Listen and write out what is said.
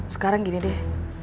sekarang gini deh